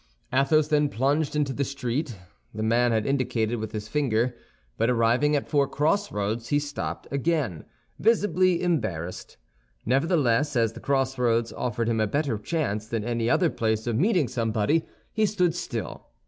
Athos then plunged into the street the man had indicated with his finger; but arriving at four crossroads, he stopped again, visibly embarrassed. Nevertheless, as the crossroads offered him a better chance than any other place of meeting somebody, he stood still.